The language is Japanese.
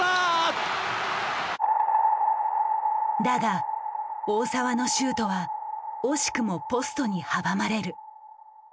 だが大澤のシュートは惜しくもポストに阻まれる。